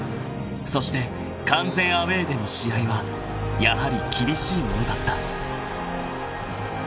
［そして完全アウェーでの試合はやはり厳しいものだった］